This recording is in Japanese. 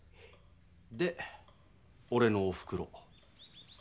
でおれのおふくろ。